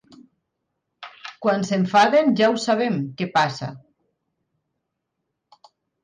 Quan s'enfaden ja ho sabem què passa.